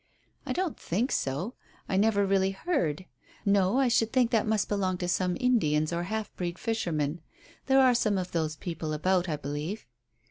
"I don't think so. I never really heard. No; I should think that must belong to some Indians or half breed fishermen. There are some of those people about, I believe."